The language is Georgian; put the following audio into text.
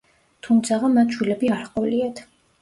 თუმცაღა მათ შვილები არ ჰყოლიათ.